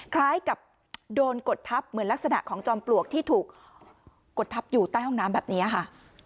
คล้ายกับโดนกดทับเหมือนลักษณะของจอมปลวกที่ถูกกดทับอยู่ใต้ห้องน้ำแบบนี้ค่ะ